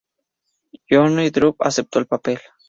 Joanne Dru aceptó el papel.